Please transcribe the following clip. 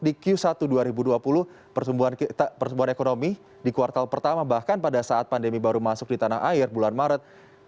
di q satu dua ribu dua puluh pertumbuhan ekonomi di kuartal pertama bahkan pada saat pandemi baru masuk di tanah air bulan maret